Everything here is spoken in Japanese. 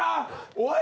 おい。